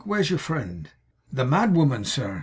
Where's your friend?' 'The mad woman, sir?